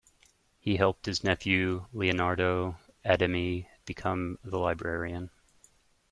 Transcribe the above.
He helped his nephew Lionardo Adami become the librarian.